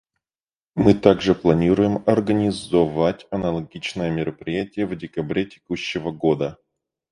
Мы также планируем организовать аналогичное мероприятие в декабре текущего года.